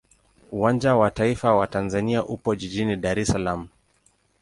Uwanja wa taifa wa Tanzania upo jijini Dar es Salaam.